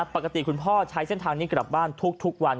คุณพ่อใช้เส้นทางนี้กลับบ้านทุกวัน